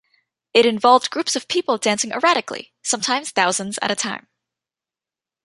It involved groups of people dancing erratically, sometimes thousands at a time.